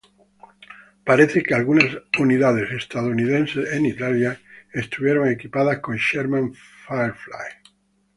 Parece que algunas unidades estadounidenses en Italia estuvieron equipadas con Sherman Firefly.